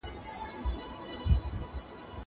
زه مخکي ږغ اورېدلی و.